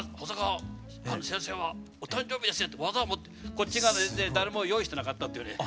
こっちが全然誰も用意してなかったっていうね。